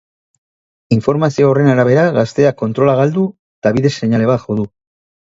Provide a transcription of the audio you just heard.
Informazio horren arabera, gazteak kontrola galdu eta bide-seinale bat jo du.